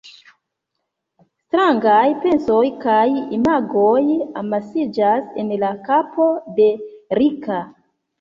Strangaj pensoj kaj imagoj amasiĝas en la kapo de Rika.